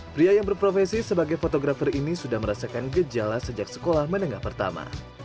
pria yang berprofesi sebagai fotografer ini sudah merasakan gejala sejak sekolah menengah pertama